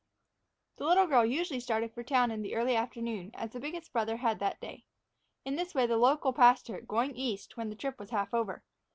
The little girl usually started for town in the early afternoon, as the biggest brother had that day. In this way the local passed her, going east, when the trip was half over.